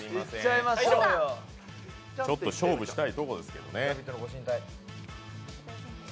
ちょっと勝負したいところですけどね。